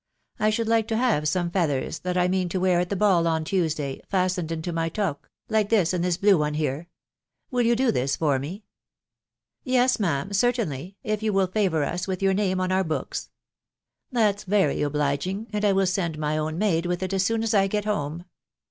I should like to have some feathers, that I mean to wear at the ball on Tuesday, fastened into my toque, like these in this blue one here. Will you do this for. me ?"" Yes, ma'am, certainly, if you will favour us with your name on our books." " That's very obliging, and I will send my own maid with it as soon as I get home."